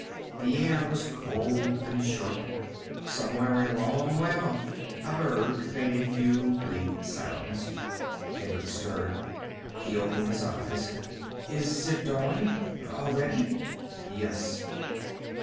The air was cold and sharp. Somewhere a long way off a bird made a few bleak sounds. Hendricks stirred. He opened his eyes. "Is it dawn? Already?" "Yes."